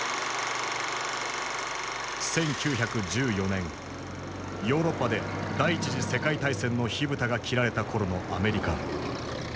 １９１４年ヨーロッパで第一次世界大戦の火蓋が切られた頃のアメリカ。